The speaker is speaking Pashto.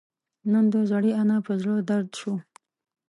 نن د زړې انا پر زړه دړد شو